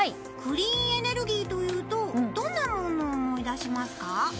クリーンエネルギーというとどんなものを思い出しますか？